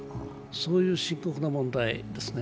そういう深刻な問題ですね。